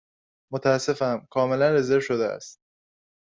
متأسفم، کاملا رزرو شده است.